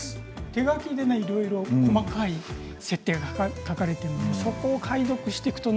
手書きでいろいろ細かい設定が書かれているのでそこを解読していくと